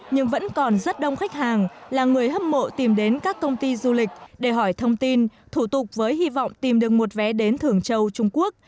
nhưng vẫn còn rất đông khách hàng là người hâm mộ tìm đến các công ty du lịch để hỏi thông tin thủ tục với hy vọng tìm được một vé đến thưởng châu trung quốc